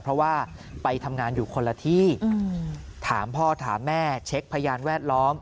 เพราะว่าไปทำงานอยู่คนละที่ถามพ่อถามแม่เช็คพยานแวดล้อม